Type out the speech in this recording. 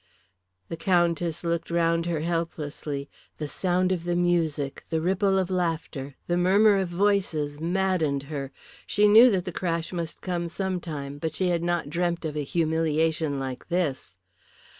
The Countess looked round her helplessly. The sound of the music, the ripple of laughter, the murmur of voices maddened her. She knew that the crash must come some time, but she had not dreamt of a humiliation like this.